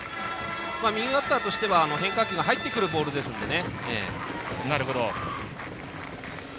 右バッターとしては変化球が入ってくるボールですのでね。